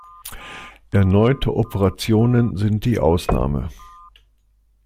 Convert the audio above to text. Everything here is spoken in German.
Erneute Operationen sind die Ausnahme.